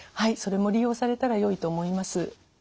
いそれも利用されたらよいと思います。